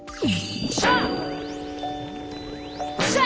よっしゃ！